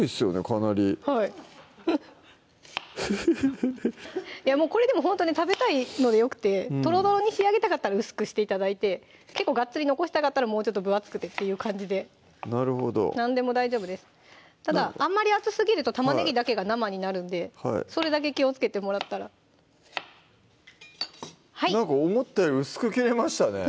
かなりはいこれでもほんとに食べたいのでよくてとろとろに仕上げたかったら薄くして頂いて結構がっつり残したかったらもうちょっと分厚くという感じでなるほど何でも大丈夫ですただあんまり厚すぎると玉ねぎだけが生になるんでそれだけ気をつけてもらったらなんか思ったより薄く切れましたね